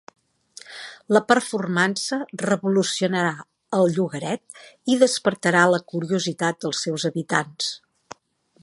La performance revolucionarà el llogaret i despertarà la curiositat dels seus habitants.